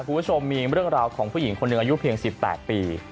บุคชมมีเรื่องราวของผู้หญิงคนอายุแค่เพียง๑๘ปี